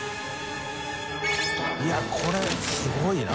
いこれすごいな。